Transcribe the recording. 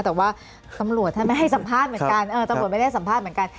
แต่ว่าตำรวจท่านไม่ให้สัมภาษณ์เหมือนกันตำรวจไม่ได้สัมภาษณ์เหมือนกัน